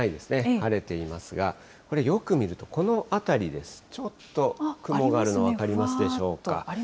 晴れていますが、これ、よく見ると、この辺りです、ちょっと雲があるの分かりますでしょうか。